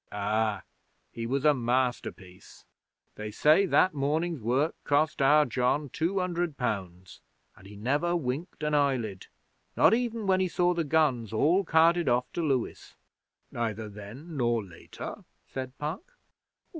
Ah, he was a masterpiece! They say that morning's work cost our John two hundred pounds, and he never winked an eyelid, not even when he saw the guns all carted off to Lewes.' 'Neither then nor later?' said Puck.